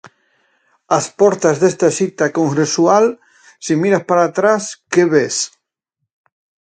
Ás portas desta cita congresual, se miras para atrás, que ves?